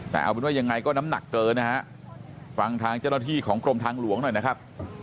แต่เอาเป็นว่ายังไงก็น้ำหนักเกินนะฮะฟังทางเจ้าหน้าที่ของกรมทางหลวงหน่อยนะครับ